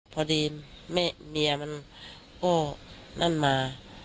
พอดีแม่เมียมันก็นั่นมา